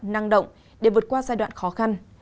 năng động để vượt qua giai đoạn khó khăn